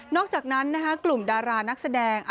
อกจากนั้นกลุ่มดารานักแสดง